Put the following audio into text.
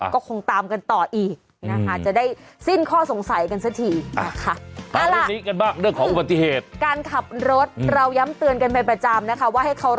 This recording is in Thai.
ก็คงตามกันต่ออีกนะคะ